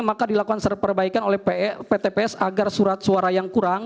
maka dilakukan perbaikan oleh ptps agar surat suara yang kurang